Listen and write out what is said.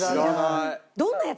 どんなやつ？